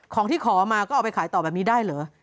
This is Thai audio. ของที่ขอมาก็เอาไปขายต่อแบบนี้ได้เหรอ